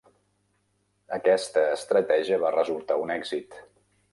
Aquesta estratègia va resultar un èxit.